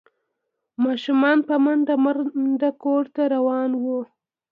ماشومان په منډه منډه کور ته روان وو۔